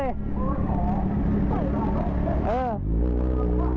เออนี่สวย